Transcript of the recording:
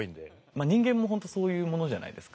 まあ人間もほんとそういうものじゃないですか。